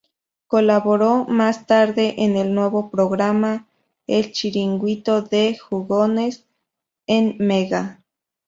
Colaboró, más tarde, en el nuevo programa "El chiringuito de jugones" en Mega.